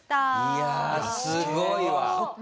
いやあすごいわ。